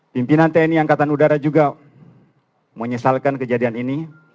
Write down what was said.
pimpinan tni angkatan udara juga menyesalkan kejadian ini